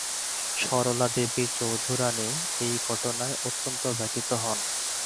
সরলা দেবী চৌধুরানী এই ঘটনায় অত্যন্ত ব্যথিত হন।